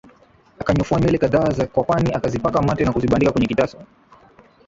Akanyofoa nywele kadhaa za kwapani akazipaka mate na kuzibandika kwenye kitasa